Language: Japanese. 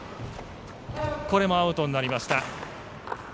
これもアウトになりました。